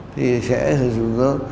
thì sẽ sử dụng nó